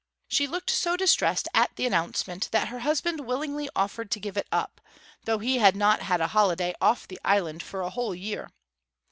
She looked so distressed at the announcement that her husband willingly offered to give it up, though he had not had a holiday off the island for a whole year.